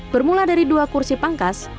bermula dari dua kursi pangkas